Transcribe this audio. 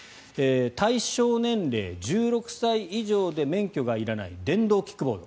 対象年齢１６歳以上で免許がいらない電動キックボード。